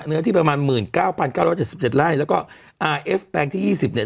เนื้อที่ประมาณหมื่นเก้าพันเก้าร้อยเจ็บเจ็บเจ็บไร่แล้วก็อาร์เอฟแปลงที่ยี่สิบเนี่ย